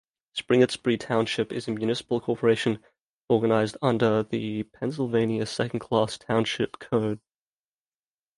Springettsbury Township is a municipal corporation organized under the Pennsylvania Second Class Township Code.